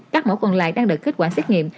các mẫu còn lại đang được kết quả xét nghiệm